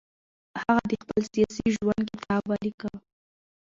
هغه د خپل سیاسي ژوند کتاب ولیکه.